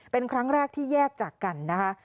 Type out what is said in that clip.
เป็นครั้งแรกที่แยกจากกันนะคะ